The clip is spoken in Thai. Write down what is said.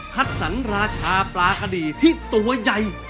คัดสรรราชาปลากะดีที่ตัวใหญ่